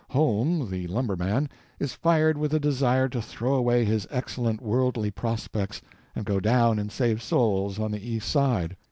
Holme, the lumberman, is fired with a desire to throw away his excellent worldly prospects and go down and save souls on the East Side.